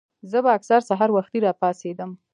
زۀ به اکثر سحر وختي راپاسېدم